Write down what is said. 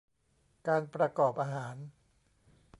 การประกอบอาหาร